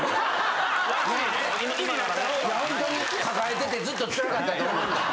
いやホントに抱えててずっとつらかったと思うよ。